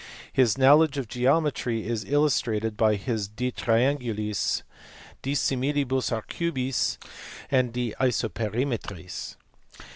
His knowledge of geometry is illustrated by his De TrianyaliS) De Siinilibus Arcubis, and De Isoperiiwtris.